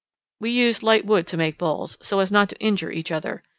We used light wood to make balls, so as not to injure each other.